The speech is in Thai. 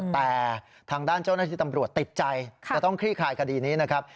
แต่ทางด้านเจ้าหน้าที่ตำรวจติดใจจะต้องคลี่คลายคดีนี้นะครับ